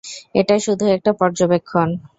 এটা শুধু একটা পর্যবেক্ষন!